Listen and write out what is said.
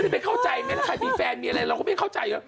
ไปเข้าใจไหมล่ะใครมีแฟนมีอะไรเราก็ไม่เข้าใจ